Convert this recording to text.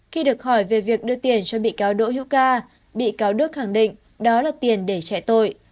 khi được hỏi về việc đưa tiền cho bị cáo đỗ hữu ca bị cáo đức khẳng định đó là tiền để chạy tội